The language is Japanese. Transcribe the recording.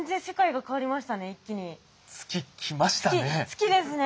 月ですね。